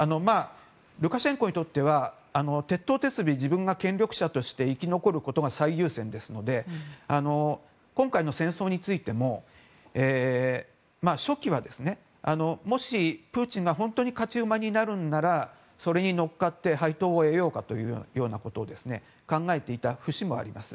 ルカシェンコにとっては徹頭徹尾、自分が権力者として生き残ることが最優先ですので今回の戦争についても、初期はもしプーチンが本当に勝ち馬になるならそれに乗っかって配当を得ようかということも考えていた節もあります。